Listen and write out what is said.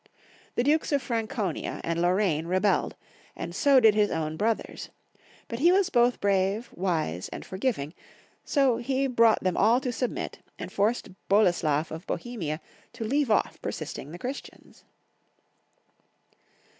The Dukes of Fran conia, and Lorraine rebelled, and so did his own brothers ; but he was both brave, wise, and forgiv Otto L, the Great. 89 ing, so he brought them all to submit, and forced Boleslaf of Bohemia to leave off persecuting the Christians.